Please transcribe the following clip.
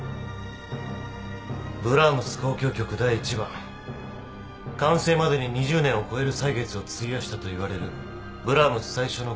「ブラームス『交響曲第１番』完成までに２０年を超える歳月を費やしたと言われるブラームス最初の交響曲」